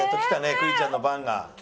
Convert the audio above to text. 栗ちゃんの番が。